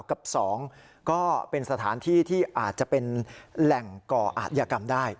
กับ๒ก็เป็นสถานที่ที่อาจจะเป็นแหล่งก่ออาจยากรรมได้